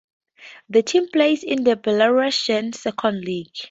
The team plays in the Belarusian Second League.